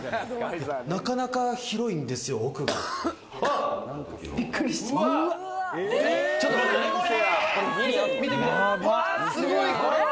なかなか広いんですよ、何これ！